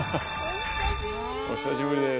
お久しぶりです。